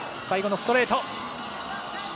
最後のストレート。